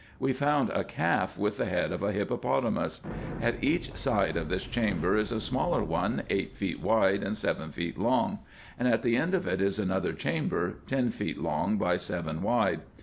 We found a calf with the head of a hippopotamus. At each side of this chamber is a smaller one, eight feet wide, and seven feet long ; and at the end of it is another chamber, ten feet long by seven wide.